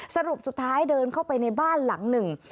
สรุปสุดท้ายเดินเข้าไปในบ้านหลังหนึ่ง